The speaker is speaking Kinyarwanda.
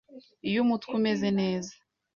Iyo umutwe umeze neza,